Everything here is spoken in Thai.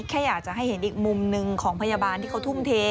แค่อยากจะให้เห็นอีกมุมหนึ่งของพยาบาลที่เขาทุ่มเท